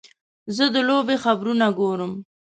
زه د لوبې خبرونه ګورم.